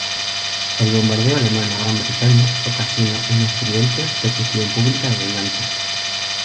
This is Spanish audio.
El bombardeo alemán a Gran Bretaña ocasiona una estridente petición pública de venganza.